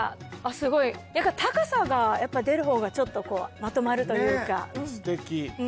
すごい高さがやっぱり出る方がちょっとまとまるというかねえ